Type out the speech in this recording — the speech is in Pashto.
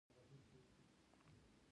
د کلیزو منظره د افغانانو ژوند اغېزمن کوي.